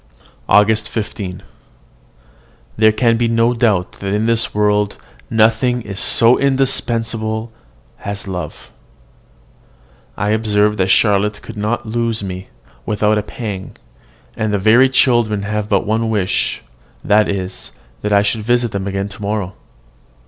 AUGUST 15. There can be no doubt that in this world nothing is so indispensable as love. I observe that Charlotte could not lose me without a pang, and the very children have but one wish; that is, that I should visit them again to morrow.